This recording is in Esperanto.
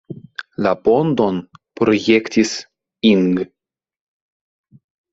La ponton projektis Ing.